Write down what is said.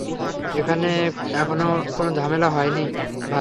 এখানে এখনো কোনো ঝামেলা হয়নি, ভাই।